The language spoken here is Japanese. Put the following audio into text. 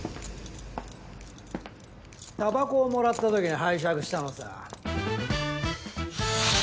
タバコをもらった時に拝借したのさ。